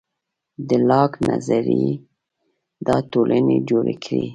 د لاک نظریې دا ټولنې جوړې کړې.